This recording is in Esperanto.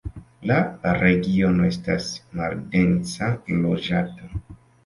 La regiono estas maldense loĝata.